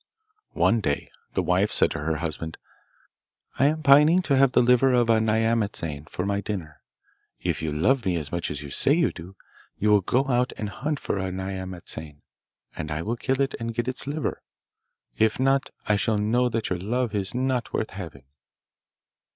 One day the wife said to her husband, 'I am pining to have the liver of a nyamatsane for my dinner. If you love me as much as you say you do, you will go out and hunt for a nyamatsane, and will kill it and get its liver. If not, I shall know that your love is not worth having.